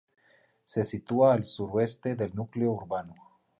Se sitúa al suroeste del núcleo urbano.